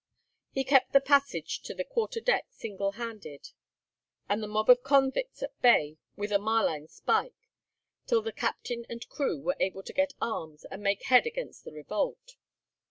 He kept the passage to the quarter deck single handed, and the mob of convicts at bay with a marline spike, till the captain and crew were able to get arms and make head against the revolt.